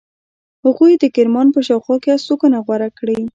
هغوی د کرمان په شاوخوا کې استوګنه غوره کړې.